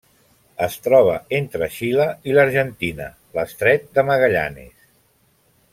Es troba entre Xile i l'Argentina: l'Estret de Magallanes.